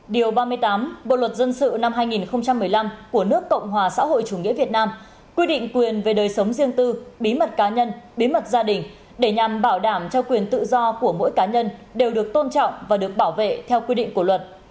điều ba mươi tám bộ luật dân sự năm hai nghìn một mươi năm của nước cộng hòa xã hội chủ nghĩa việt nam quy định quyền về đời sống riêng tư bí mật cá nhân bí mật gia đình để nhằm bảo đảm cho quyền tự do của mỗi cá nhân đều được tôn trọng và được bảo vệ theo quy định của luật